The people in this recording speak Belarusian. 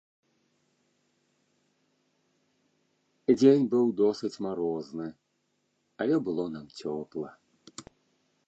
Дзень быў досыць марозны, але было нам цёпла.